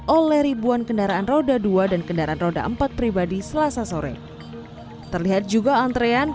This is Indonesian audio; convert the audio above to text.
oleh ribuan kendaraan roda dua dan kendaraan roda empat pribadi selasa sore terlihat juga antrean